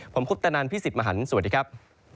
ผมคุปตนันพี่สิทธิ์มหันฯสวัสดีครับ